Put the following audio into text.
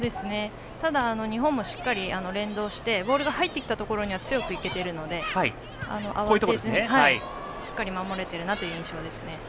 ただ、日本もしっかり連動してボールが入ってきたところには強く行けているので慌てずに、しっかり守れているなという印象ですね。